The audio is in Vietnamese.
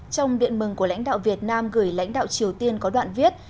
trong điện mừng của lãnh đạo việt nam gửi lãnh đạo triều tiên có đoạn viết